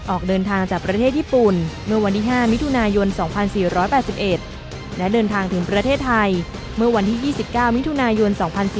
ออกเดินทางจากประเทศญี่ปุ่นเมื่อวันที่๕มิถุนายน๒๔๘๑และเดินทางถึงประเทศไทยเมื่อวันที่๒๙มิถุนายน๒๔